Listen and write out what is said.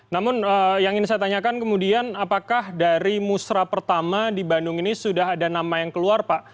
namun yang ingin saya tanyakan kemudian apakah dari musrah pertama di bandung ini sudah ada nama yang keluar pak